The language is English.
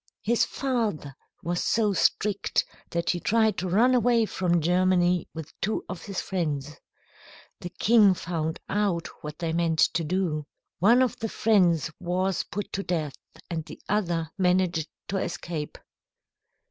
His father was so strict that he tried to run away from Germany with two of his friends. The king found out what they meant to do. One of the friends was put to death, and the other managed to escape."